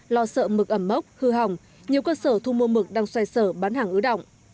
lo sợ mực ẩm mốc hư hỏng nhiều cơ sở thu mua mực đang xoay sở bán hàng ứ động